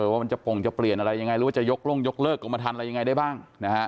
ว่ามันจะปงจะเปลี่ยนอะไรยังไงหรือว่าจะยกลงยกเลิกกรมทันอะไรยังไงได้บ้าง